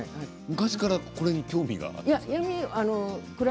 昔からこれに興味があったんですか。